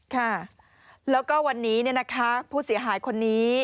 ค่ะแล้วก็วันนี้ผู้เสียหายคนนี้